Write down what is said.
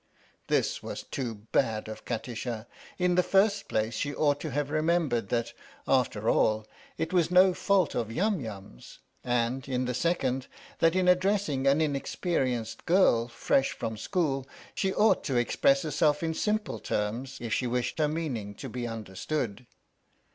This was too bad of Kati sha. In the first place, she ought to have remembered that, after all, it was no fault of Yum Yum's, and, in the second, that in addressing an inexperienced girl, fresh from school, she ought to express herself in simple terms, if she wished her meaning to be understood.